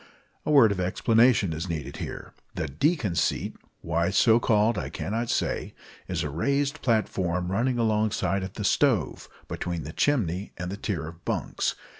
A word of explanation is needed here. The "deacon seat" why so called I cannot say is a raised platform running alongside of the stove, between the chimney and the tier of bunks.